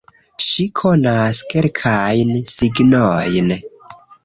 Ŝi konas kelkajn signojn